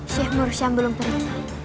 syekh murus yang belum pergi